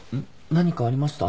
何かありました？